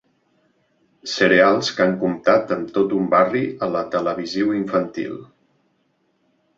Cereals que han comptat amb tot un barri a la televisiu infantil.